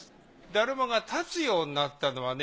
達磨が立つようになったのはね